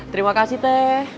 terima kasih teh